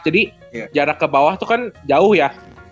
jadi jarak ke bawah itu kan jauh ya